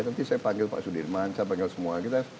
nanti saya panggil pak sudirman saya panggil semua